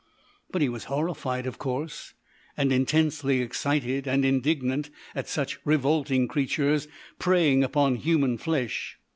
But he was horrified, of course, and intensely excited and indignant at such revolting creatures preying upon human flesh.